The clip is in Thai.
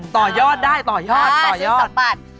ต่อยอดได้ต่อยอดต่อยอด